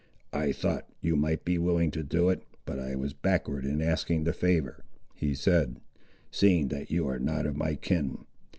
"I thought, you might be willing to do it, but I was backward in asking the favour," he said, "seeing that you are not of my kin.